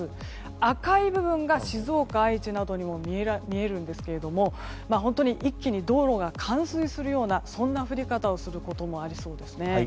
赤い部分が静岡、愛知などにも見えるんですが本当に一気に道路が冠水するようなそんな降り方をすることもありそうですね。